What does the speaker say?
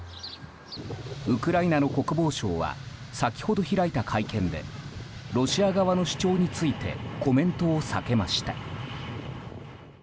ウクライナの国防相は先ほど開いた会見でロシア側の主張についてコメントを避けました。